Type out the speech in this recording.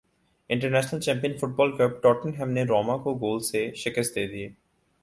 international champion football cup Tottenham نے Roma کو گول سے شکست دے دی